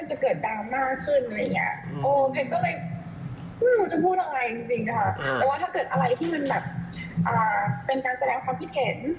แต่ว่าถ้าเกิดอะไรที่มันแบบเป็นการแสดงความคิดเห็น